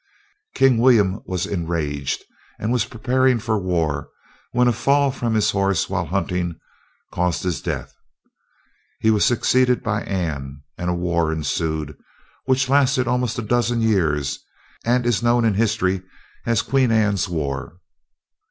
King William was enraged and was preparing for war, when a fall from his horse, while hunting, caused his death. He was succeeded by Anne, and a war ensued, which lasted almost a dozen years and is known in history as Queen Anne's War.